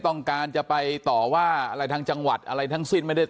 ต้องการจะไปต่อว่าอะไรทางจังหวัดอะไรทั้งสิ้นไม่ได้